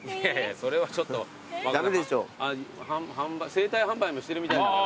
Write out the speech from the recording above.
生体販売もしてるみたいだから。